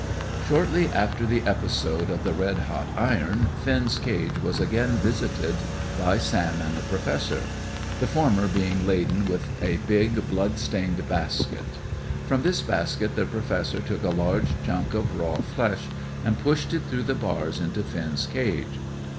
Shortly after the episode of the red hot iron, Finn's cage was again visited by Sam and the Professor, the former being laden with a big, blood stained basket. From this basket the Professor took a large chunk of raw flesh, and pushed it through the bars into Finn's cage.